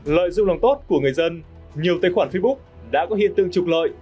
lợi dụng lòng tốt của người dân nhiều tài khoản facebook đã có hiện tượng trục lợi